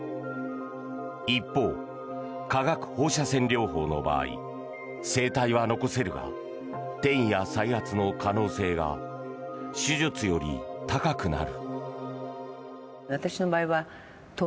一方、化学放射線療法の場合声帯は残せるが転移や再発の可能性が手術より高くなる。